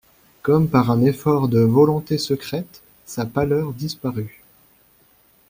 Comme par un effort de volonté secrète, sa pâleur disparut.